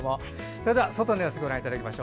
それでは外の様子をご覧いただきます。